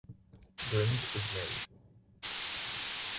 Brind is married.